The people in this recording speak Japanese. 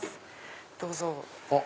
どうぞ。